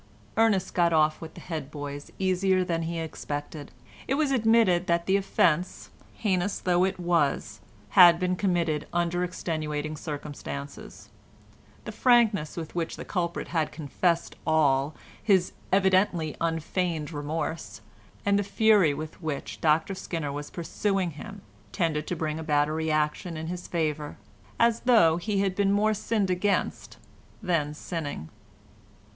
Ernest got off with the head boys easier than he expected. It was admitted that the offence, heinous though it was, had been committed under extenuating circumstances; the frankness with which the culprit had confessed all, his evidently unfeigned remorse, and the fury with which Dr Skinner was pursuing him tended to bring about a reaction in his favour, as though he had been more sinned against than sinning.